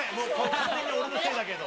完全に俺のせいだけど。